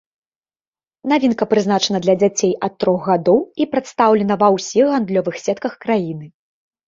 Навінка прызначана для дзяцей ад трох гадоў і прадстаўлена ва ўсіх гандлёвых сетках краіны.